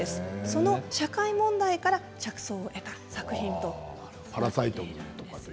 その社会問題から着想を得た作品ということです。